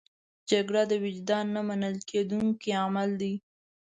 جګړه د وجدان نه منل کېدونکی عمل دی